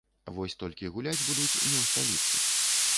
Вось толькі гуляць будуць не ў сталіцы.